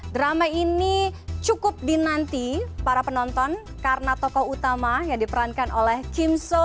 drama ini cukup dinanti para penonton karena tokoh utama yang diperankan oleh kimso